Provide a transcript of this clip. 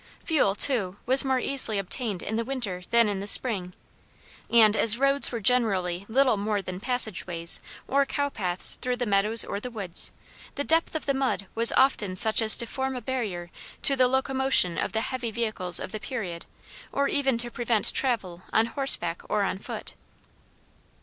Fuel too was more easily obtained in the winter than in the spring, and as roads were generally little more than passage ways or cow paths through the meadows or the woods, the depth of the mud was often such as to form a barrier to the locomotion of the heavy vehicles of the period or even to prevent travel on horseback or on foot.